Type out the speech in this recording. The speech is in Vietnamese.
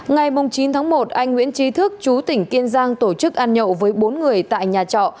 ngày chín tháng một anh nguyễn trí thức chú tỉnh kiên giang tổ chức ăn nhậu với bốn người tại nhà trọ